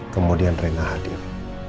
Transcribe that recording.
kemudian rena hadir